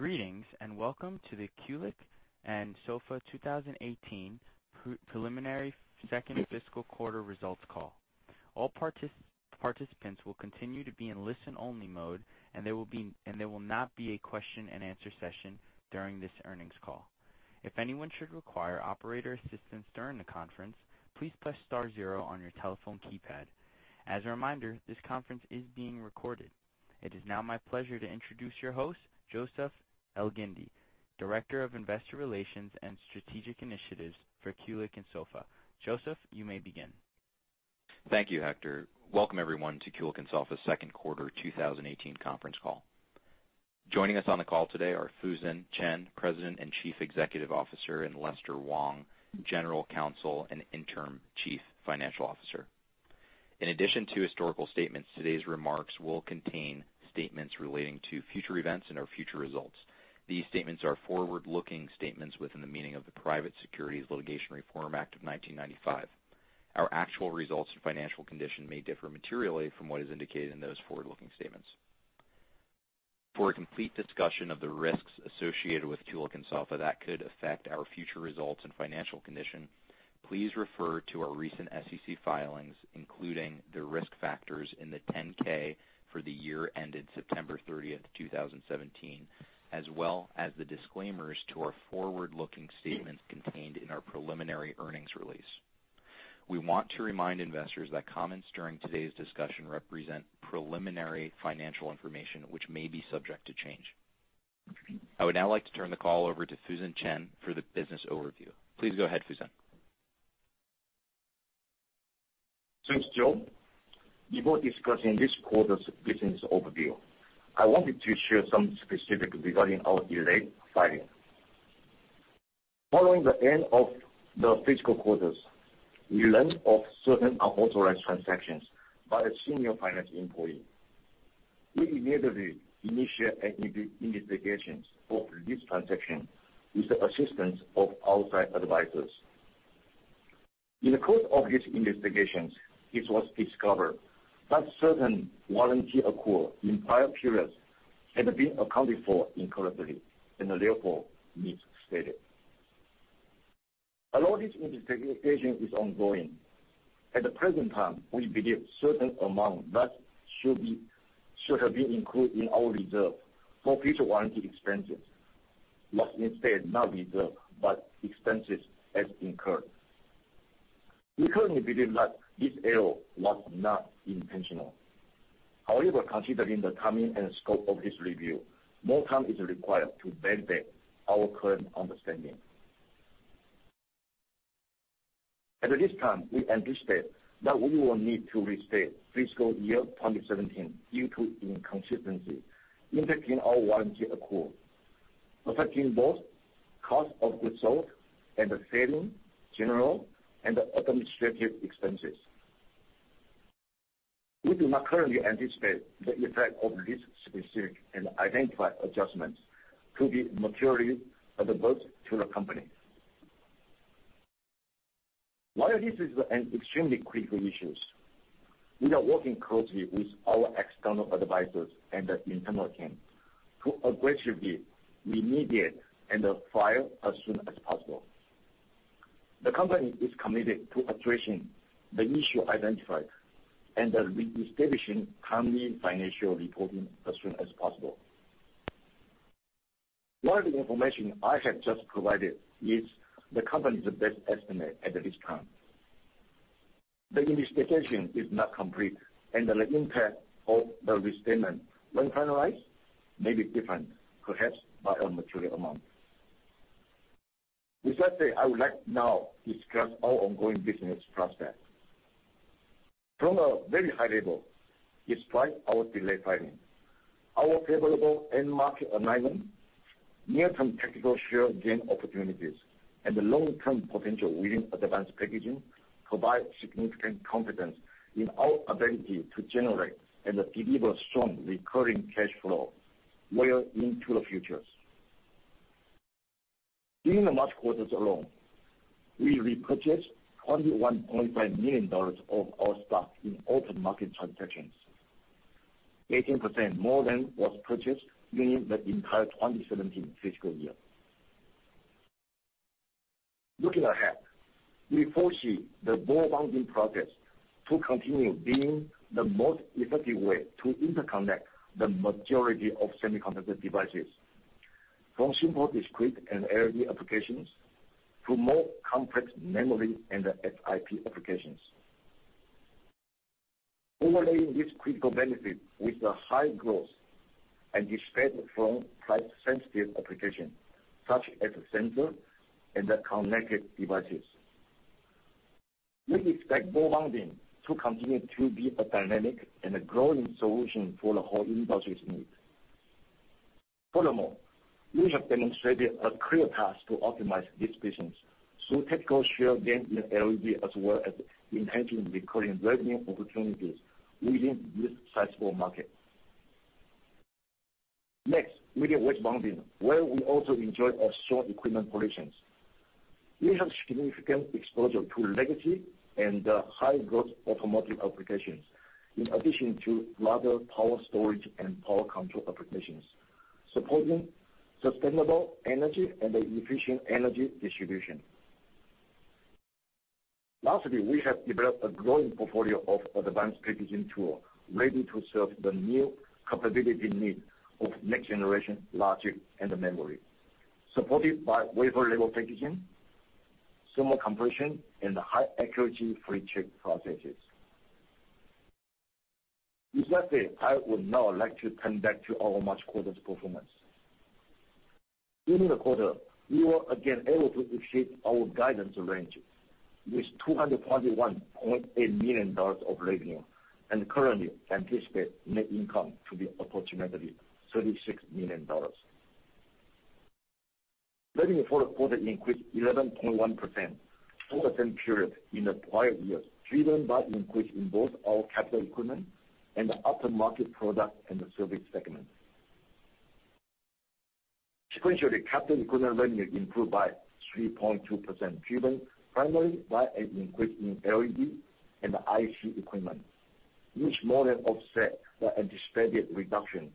Greetings, and welcome to the Kulicke and Soffa 2018 preliminary second fiscal quarter results call. All participants will continue to be in listen-only mode, and there will not be a question and answer session during this earnings call. If anyone should require operator assistance during the conference, please press star zero on your telephone keypad. As a reminder, this conference is being recorded. It is now my pleasure to introduce your host, Joseph Elgindy, Director of Investor Relations and Strategic Initiatives for Kulicke and Soffa. Joseph, you may begin. Thank you, Hector. Welcome everyone to Kulicke and Soffa second quarter 2018 conference call. Joining us on the call today are Fusen Chen, President and Chief Executive Officer, and Lester Wong, General Counsel and Interim Chief Financial Officer. In addition to historical statements, today's remarks will contain statements relating to future events and our future results. These statements are forward-looking statements within the meaning of the Private Securities Litigation Reform Act of 1995. Our actual results and financial condition may differ materially from what is indicated in those forward-looking statements. For a complete discussion of the risks associated with Kulicke and Soffa that could affect our future results and financial condition, please refer to our recent SEC filings, including the risk factors in the 10-K for the year ended September 30, 2017, as well as the disclaimers to our forward-looking statements contained in our preliminary earnings release. We want to remind investors that comments during today's discussion represent preliminary financial information, which may be subject to change. I would now like to turn the call over to Fusen Chen for the business overview. Please go ahead, Fusen. Thanks, Joe. Before discussing this quarter's business overview, I wanted to share some specifics regarding our delayed filing. Following the end of the fiscal quarters, we learned of certain unauthorized transactions by a senior finance employee. We immediately initiated an investigation of this transaction with the assistance of outside advisors. In the course of this investigation, it was discovered that certain warranty accrual in prior periods had been accounted for incorrectly and therefore misstated. Although this investigation is ongoing, at the present time, we believe certain amounts that should have been included in our reserve for future warranty expenses was instead not reserved, but expenses as incurred. We currently believe that this error was not intentional. However, considering the timing and scope of this review, more time is required to validate our current understanding. At this time, we anticipate that we will need to restate fiscal year 2017 due to inconsistencies impacting our warranty accrual, affecting both cost of goods sold and the selling, general, and administrative expenses. We do not currently anticipate the effect of this specific and identified adjustments to be material or adverse to the company. While this is an extremely critical issue, we are working closely with our external advisors and the internal team to aggressively remediate and file as soon as possible. The company is committed to addressing the issue identified and reestablishing timely financial reporting as soon as possible. While the information I have just provided is the company's best estimate at this time, the investigation is not complete and the impact of the restatement when finalized may be different, perhaps by a material amount. With that said, I would like now to discuss our ongoing business prospects. From a very high level, despite our delayed filing, our favorable end market alignment, near-term technical share gain opportunities, and the long-term potential within advanced packaging provide significant confidence in our ability to generate and deliver strong recurring cash flow well into the future. During the March quarter alone, we repurchased $21.5 million of our stock in open market transactions, 18% more than was purchased during the entire 2017 fiscal year. Looking ahead, we foresee the ball bonding process to continue being the most effective way to interconnect the majority of semiconductor devices, from simple discrete and LED applications to more complex memory and System-in-Package applications. Overlaying this critical benefit with the high growth and demand from price-sensitive applications such as sensor and connected devices, we expect ball bonding to continue to be a dynamic and growing solution for the whole industry's needs. We have demonstrated a clear path to optimize this business through technical share gains in LED, as well as enhancing recurring revenue opportunities within this sizable market. Within wedge bonding, where we also enjoy a strong equipment position. We have significant exposure to legacy and high-growth automotive applications, in addition to larger power storage and power control applications, supporting sustainable energy and efficient energy distribution. We have developed a growing portfolio of advanced packaging tools, ready to serve the new capability needs of next generation logic and memory, supported by wafer-level packaging, Thermo-Compression Bonding, and high accuracy flip chip processes. With that said, I would now like to come back to our March quarter's performance. During the quarter, we were again able to exceed our guidance range with $241.8 million of revenue, and currently anticipate net income to be approximately $36 million. Revenue for the quarter increased 11.1% for the same period in the prior years, driven by an increase in both our capital equipment and the aftermarket product and service segment. Sequentially, capital equipment revenue improved by 3.2%, driven primarily by an increase in LED and IC equipment, which more than offset the anticipated reduction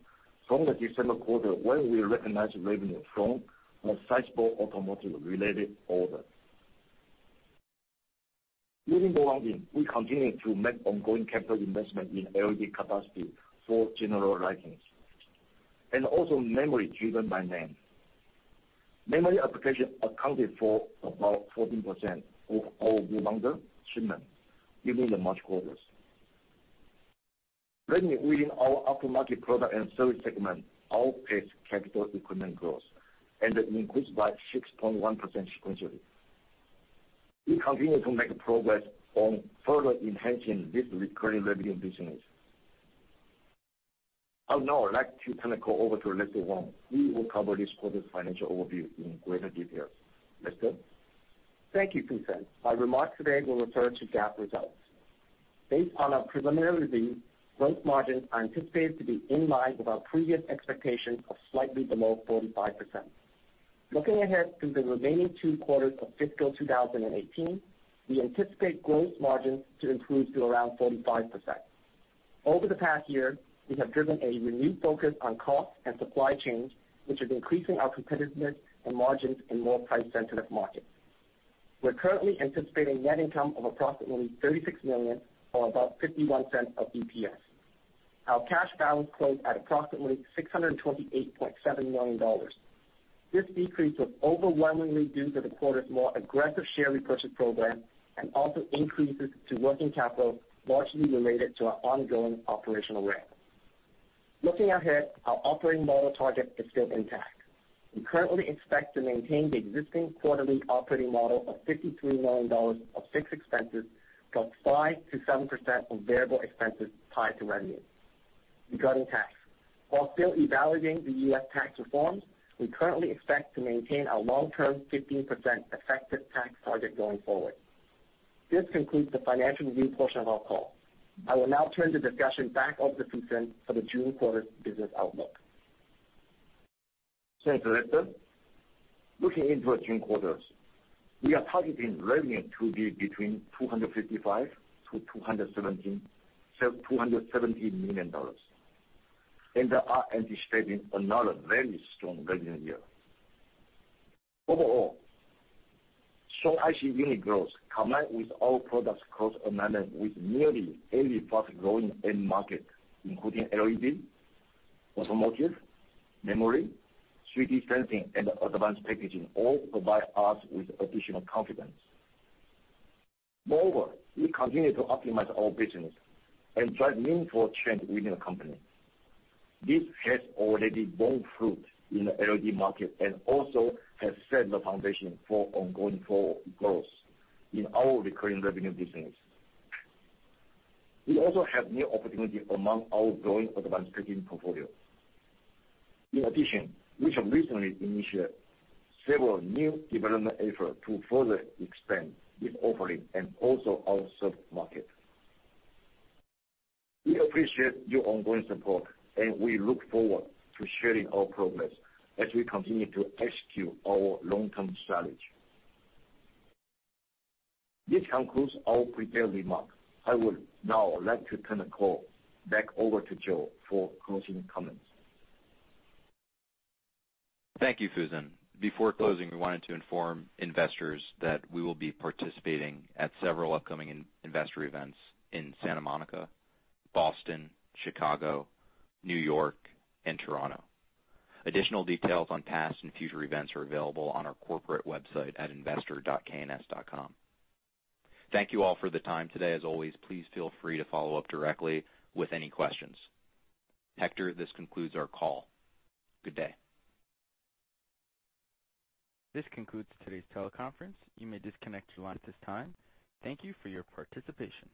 from the December quarter, when we recognized revenue from a sizable automotive-related order. Moving forward, we continue to make ongoing capital investment in LED capacity for general lighting, and also memory, driven by NAND. Memory application accounted for about 14% of our combined shipment during the March quarters. Revenue within our aftermarket product and service segment outpaced capital equipment growth and increased by 6.1% sequentially. We continue to make progress on further enhancing this recurring revenue business. I would now like to turn the call over to Lester Wong, who will cover this quarter's financial overview in greater detail. Lester? Thank you, Fusen. My remarks today will refer to GAAP results. Based on our preliminary review, gross margins are anticipated to be in line with our previous expectations of slightly below 45%. Looking ahead to the remaining two quarters of fiscal 2018, we anticipate gross margins to improve to around 45%. Over the past year, we have driven a renewed focus on cost and supply chains, which is increasing our competitiveness and margins in more price-sensitive markets. We're currently anticipating net income of approximately $36 million, or about $0.51 of EPS. Our cash balance closed at approximately $628.7 million. This decrease was overwhelmingly due to the quarter's more aggressive share repurchase program, and also increases to working capital largely related to our ongoing operational ramp. Looking ahead, our operating model target is still intact. We currently expect to maintain the existing quarterly operating model of $53 million of fixed expenses, plus 5%-7% of variable expenses tied to revenue. Regarding tax, while still evaluating the U.S. tax reforms, we currently expect to maintain our long-term 15% effective tax target going forward. This concludes the financial review portion of our call. I will now turn the discussion back over to Fusen for the June quarter's business outlook. Thanks, Lester. Looking into our June quarter, we are targeting revenue to be between $255 million-$270 million, are anticipating another very strong revenue year. Overall, strong IC unit growth, combined with our product cost alignment with nearly every fast-growing end market, including LED, automotive, memory, 3D sensing, and advanced packaging, all provide us with additional confidence. We continue to optimize our business and drive meaningful change within the company. This has already borne fruit in the LED market and also has set the foundation for ongoing core growth in our recurring revenue business. We also have new opportunities among our growing advanced packaging portfolio. We have recently initiated several new development efforts to further expand this offering and also our sub-market. We appreciate your ongoing support, we look forward to sharing our progress as we continue to execute our long-term strategy. This concludes our prepared remarks. I would now like to turn the call back over to Joe for closing comments. Thank you, Fusen. Before closing, we wanted to inform investors that we will be participating at several upcoming investor events in Santa Monica, Boston, Chicago, New York, and Toronto. Additional details on past and future events are available on our corporate website at investor.kns.com. Thank you all for the time today. As always, please feel free to follow up directly with any questions. Hector, this concludes our call. Good day. This concludes today's teleconference. You may disconnect your line at this time. Thank you for your participation.